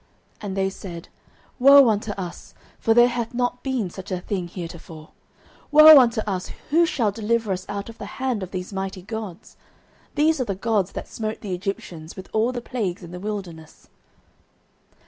And they said, Woe unto us! for there hath not been such a thing heretofore. 09:004:008 Woe unto us! who shall deliver us out of the hand of these mighty Gods? these are the Gods that smote the Egyptians with all the plagues in the wilderness.